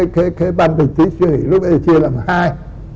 cái ban bịch tỉnh sứ quỷ lúc bây giờ chưa làm hai